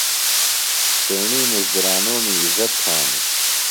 تیݨی مُزدُرانومی عِزت تھانوۡ۔